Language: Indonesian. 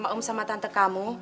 mak om sama tante kamu